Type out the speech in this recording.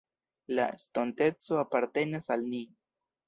La estonteco apartenas al ni.